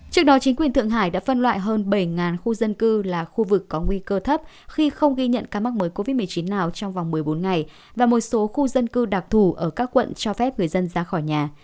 trước đó chính quyền thượng hải đã phân loại hơn bảy khu dân cư là khu vực có nguy cơ thấp khi không ghi nhận ca mắc mới covid một mươi chín nào trong vòng một mươi bốn ngày và một số khu dân cư đặc thù ở các quận cho phép người dân ra khỏi nhà